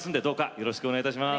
よろしくお願いします。